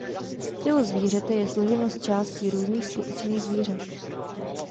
Tělo zvířete je složeno z částí různých skutečných zvířat.